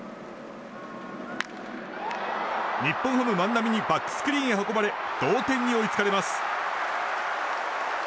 日本ハム、万波にバックスクリーンに運ばれ同点に追いつかれます。